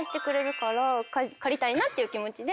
借りたいなっていう気持ちで。